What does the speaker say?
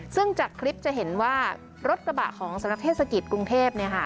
ซึ่งจากคลิปจะเห็นว่ารถกระบะของสำนักเทศกิจกรุงเทพ